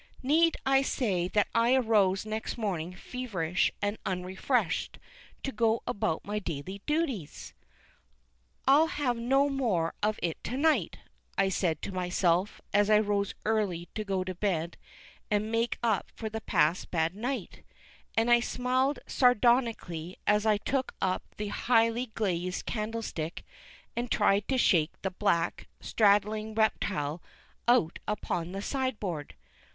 Need I say that I arose next morning feverish and unrefreshed to go about my daily duties? "I'll have no more of it to night," I said to myself, as I rose early to go to bed and make up for the past bad night; and I smiled sardonically as I took up the highly glazed candlestick and tried to shake the black, straddling reptile out upon the sideboard.